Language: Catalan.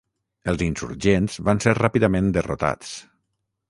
Els insurgents van ser ràpidament derrotats.